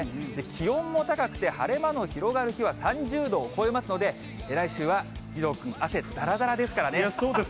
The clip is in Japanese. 気温も高くて、晴れ間の広がる日は３０度を超えますので、来週は義堂君、汗、そうですね。